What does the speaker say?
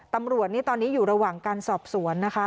ตำรวจนี่ตอนนี้อยู่ระหว่างการสอบสวนนะคะ